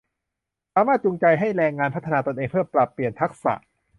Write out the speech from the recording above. สามารถจูงใจให้แรงงานพัฒนาตนเองเพื่อปรับเปลี่ยนทักษะ